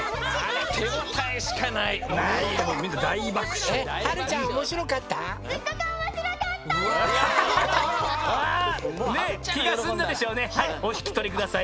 はいおひきとりください。